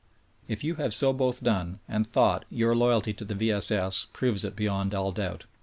If you have so both done, and thought, your loyalty to the V. S. S. proves it beyond all doubt.